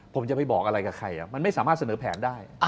ผมจะไปบอกอะไรกับใครมันไม่สามารถเสนอแผนได้